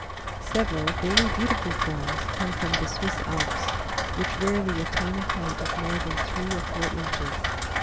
Several very beautiful forms come from the Swiss Alps, which rarely attain a height of more than three or four inches.